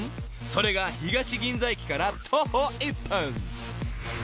それが東銀座駅から徒歩１分］